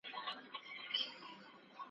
لا یې پر ملاباندي را بار کړه یوه بله بورۍ `